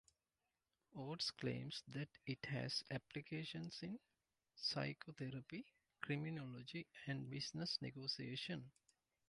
Oates claims that it has applications in psychotherapy, criminology and business negotiation.